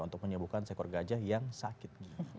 untuk menyembuhkan seekor gajah yang sakit